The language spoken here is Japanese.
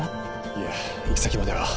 いえ行き先までは。